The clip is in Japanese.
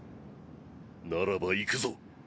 ならばいくぞ。